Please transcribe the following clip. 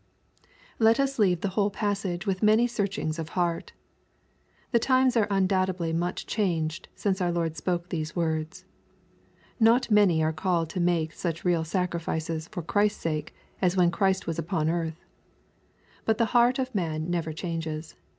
Let us leave the whole passage with many searchings of heart. The times are undoubtedly much changed since our Lord spoke these words. Not many are called to make such real sacrifices for Christ's sake as when Christ was upon earth. But the heart of man never changes.